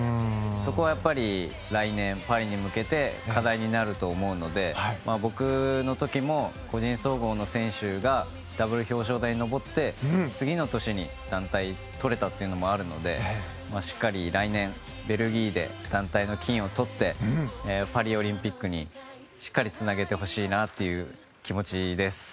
そこはやっぱり来年、パリに向けて課題になると思うので僕の時も、個人総合の選手がダブル表彰台に上って次の年に団体がとれたというのもあるのでしっかり来年、ベルギーで団体の金をとってパリオリンピックにしっかりつなげてほしいなという気持ちですね。